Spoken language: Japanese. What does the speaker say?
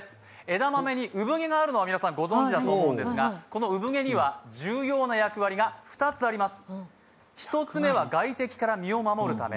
枝豆に産毛があるのはご存じだと思うんですがこの産毛には重要な役割が２つあります。